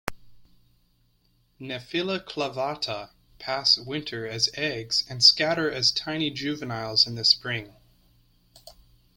"Nephila clavata" pass winter as eggs and scatter as tiny juveniles in the spring.